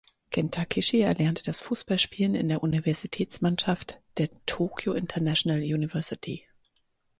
Kenta Kishi erlernte das Fußballspielen in der Universitätsmannschaft der Tokyo International University.